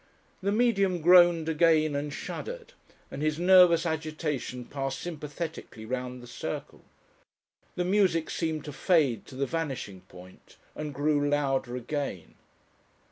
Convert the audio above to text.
The Medium groaned again and shuddered, and his nervous agitation passed sympathetically round the circle. The music seemed to fade to the vanishing point and grew louder again.